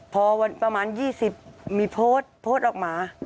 พอประมาณ๒๐อาทิตย์มีโพสต์โพสต์ออกมา